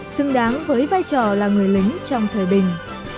xứng đáng với vai trò là người lính trong thời bình